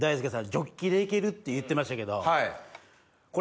ジョッキで行けるって言ってましたけどこれ。